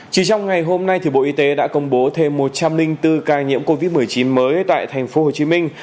chỉ trong ngày hôm nay bộ y tế đã công bố thêm một trăm linh bốn ca nhiễm covid một mươi chín mới tại thành phố hồ chí minh